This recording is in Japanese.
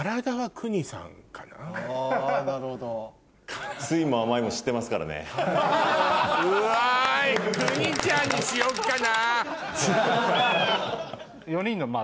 ９２ちゃんにしよっかな。